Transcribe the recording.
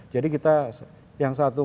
jadi kita yang satu